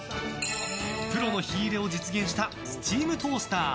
プロの火入れを実現したスチームトースター。